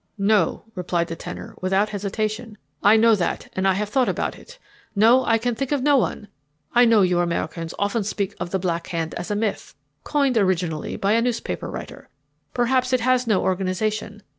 "No," replied the tenor without hesitation. "I know that, and I have thought about it. No, I can think of no one. I know you Americans often speak of the Black Hand as a myth coined originally by a newspaper writer. Perhaps it has no organization.